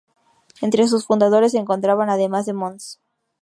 Entre sus fundadores se encontraban, además de Mons.